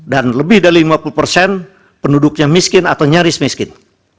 dan lebih dari lima puluh penduduknya miskin atau nyaris miskin